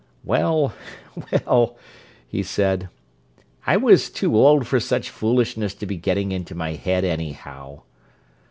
"Well, well—" he said. "I was too old for such foolishness to be getting into my head, anyhow."